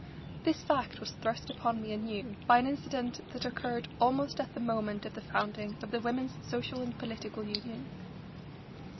This fact was thrust upon me anew by an incident that occurred almost at the moment of the founding of the Women's Social and Political Union.